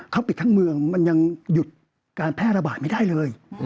เขาปิดทั้งเมืองมันยังหยุดการแพร่ระบาดไม่ได้เลย